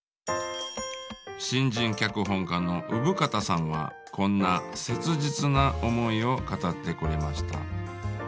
新人脚本家の生方さんはこんな切実な思いを語ってくれました。